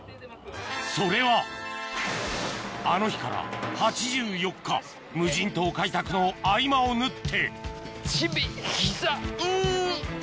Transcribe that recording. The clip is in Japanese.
それはあの日から８４日無人島開拓の合間を縫ってチビヒサん！